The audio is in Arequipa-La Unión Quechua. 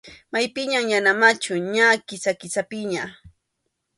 Maypiñam yana machu, ña Kisa-Kisapiña.